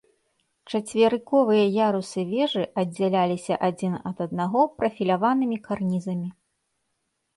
Чацверыковыя ярусы вежы аддзяляліся адзін ад аднаго прафіляванымі карнізамі.